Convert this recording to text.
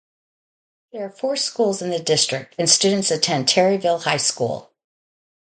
There are four schools in the district and students attend Terryville High School.